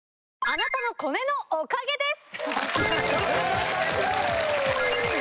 『あなたのコネのおかげです』